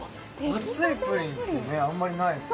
熱いプリンってあんまりないですよね。